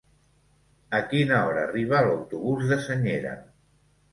A quina hora arriba l'autobús de Senyera?